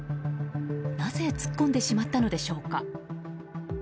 なぜ突っ込んでしまったのでしょうか。